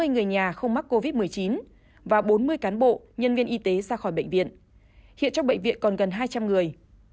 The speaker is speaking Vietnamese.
hai mươi người nhà không mắc covid một mươi chín và bốn mươi cán bộ nhân viên y tế ra khỏi bệnh viện hiện trong bệnh viện còn gần hai trăm linh người